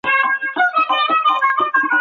هغوی به حقیقت ومومي.